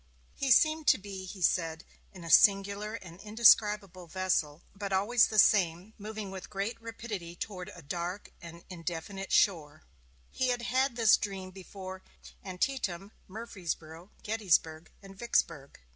He seemed to be, he said, in a singular and indescribable vessel, but always the same, moving with great rapidity toward a dark and indefinite shore; he had had this dream before Antietam, Murfreesboro, Gettysburg, and Vicksburg.